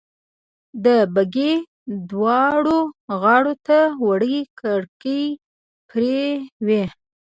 د بګۍ دواړو غاړو ته وړې کړکۍ پرې وې.